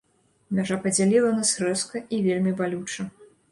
Мяжа падзяліла нас рэзка і вельмі балюча.